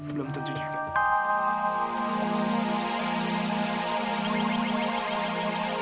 belum tentunya kak